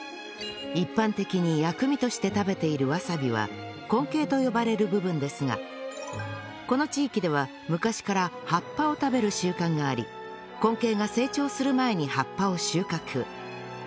一般的に薬味として食べているわさびは根茎と呼ばれる部分ですがこの地域では昔から葉っぱを食べる習慣があり根茎が成長する前に葉っぱを収穫